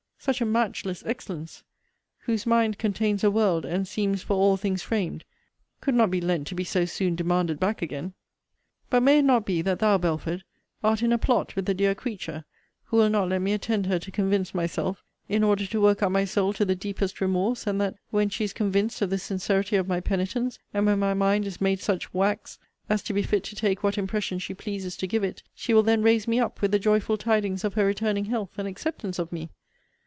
Such a matchless excellence, whose mind Contains a world, and seems for all things fram'd, could not be lent to be so soon demanded back again! But may it not be, that thou, Belford, art in a plot with the dear creature, (who will not let me attend her to convince myself,) in order to work up my soul to the deepest remorse; and that, when she is convinced of the sincerity of my penitence, and when my mind is made such wax, as to be fit to take what impression she pleases to give it, she will then raise me up with the joyful tidings of her returning health and acceptance of me!